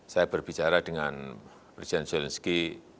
saya berbicara dengan presiden zelensky